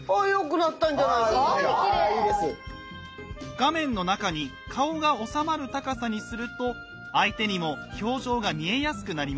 画面の中に顔が収まる高さにすると相手にも表情が見えやすくなりますね。